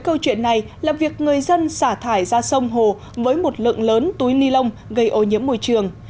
câu chuyện này là việc người dân xả thải ra sông hồ với một lượng lớn túi ni lông gây ô nhiễm môi trường